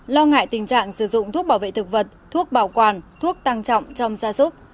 lo ngại tình trạng sử dụng thuốc bảo vệ thực vật thuốc bảo quản thuốc tăng trọng trong gia súc